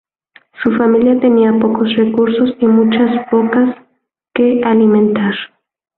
Su familia tenía pocos recursos y muchas boca que alimentar.